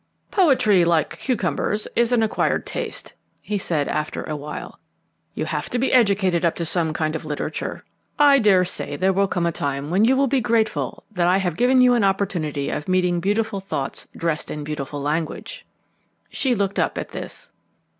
"Poetry, like cucumbers, is an acquired taste," he said after a while. "You have to be educated up to some kind of literature. I daresay there will come a time when you will be grateful that I have given you an opportunity of meeting beautiful thoughts dressed in beautiful language." She looked up at this.